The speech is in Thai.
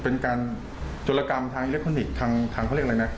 เป็นการจรกรรมทางอิเล็กทรอนิกส์ทางเขาเรียกอะไรนะ